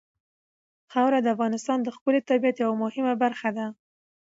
خاوره د افغانستان د ښکلي طبیعت یوه مهمه برخه ده.